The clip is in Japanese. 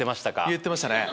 言ってましたね。